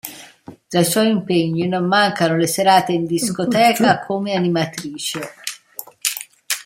Tra i suoi impegni non mancano le serate in discoteca come animatrice.